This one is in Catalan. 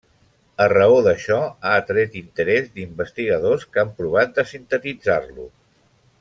A raó d'això, ha atret interès d'investigadors que han provat de sintetitzar-lo.